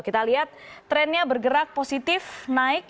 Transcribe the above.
kita lihat trennya bergerak positif naik